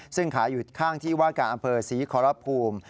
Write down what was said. ซึ่งขายอยู่ข้างที่วาดกาลัมเผอร์สีขอราภูมิ